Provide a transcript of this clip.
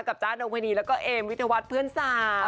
กับจ๊าดโรงพยาบาลีแล้วก็เอมวิทยาวัฒน์เพื่อนสาม